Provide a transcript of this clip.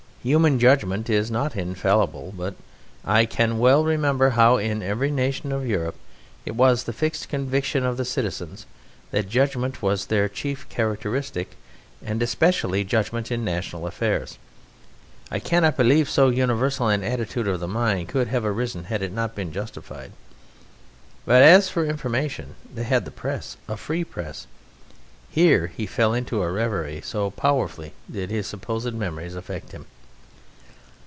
Human judgment is not infallible, but I can well remember how in every nation of Europe it was the fixed conviction of the citizens that judgment was their chief characteristic, and especially judgment in national affairs. I cannot believe that so universal an attitude of the mind could have arisen had it not been justified. But as for information, they had the Press ... a free Press!" Here he fell into a reverie, so powerfully did his supposed memories affect him.